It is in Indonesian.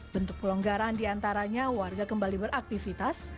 bentuk pelonggaran di antaranya warga kembali beraktivitas